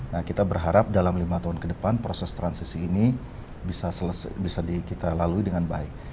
nah kita berharap dalam lima tahun ke depan proses transisi ini bisa selesai bisa kita lalui dengan baik